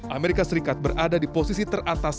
amerika serikat berada di posisi teratas